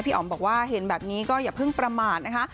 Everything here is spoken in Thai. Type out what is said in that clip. อ๋อมบอกว่าเห็นแบบนี้ก็อย่าเพิ่งประมาทนะคะ